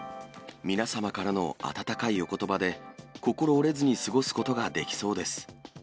皆様からの温かいおことばで、心折れずに過ごすことができそうです。